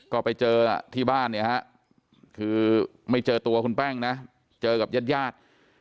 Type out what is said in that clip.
ก็ไปเจอที่บ้านคือไม่เจอตัวคุณแป้งนะเจอกับญาติ